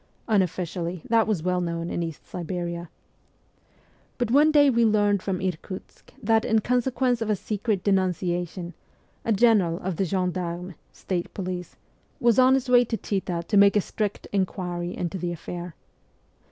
Unofficially that was well known in East Siberia. But one day we learned from Irkutsk that, in consequence of a secret denuncia tion, a General of the gendarmes (state police) was on his way to Chita to make a strict inquiry into the affair.